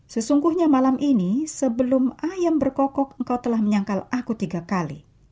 sesungguhnya malam ini sebelum ayam berkokok engkau telah menyangkal aku tiga kali